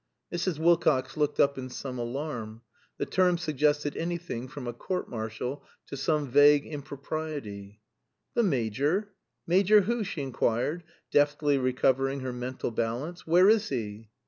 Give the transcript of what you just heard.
Mrs. Wilcox looked up in some alarm. The term suggested anything from a court martial to some vague impropriety. "The Major? Major who?" she inquired, deftly recovering her mental balance. "Where is he?"